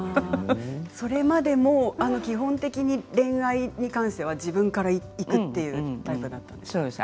それはでも基本的に恋愛に関しては自分からいくというタイプだったんですか。